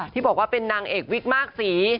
ที่บอกว่าเป็นนางเอกวิกมากสี